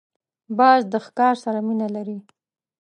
باز د ښکار سره مینه لري